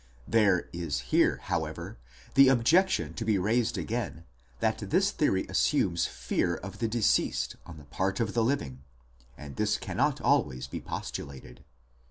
2 There is here, however, the objection to be raised again that this theory assumes fear of the deceased on the part of the living, and this cannot always be postulated.